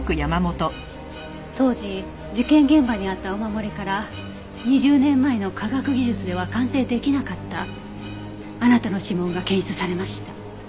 当時事件現場にあったお守りから２０年前の科学技術では鑑定できなかったあなたの指紋が検出されました。